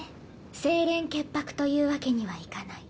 清廉潔白というわけにはいかない。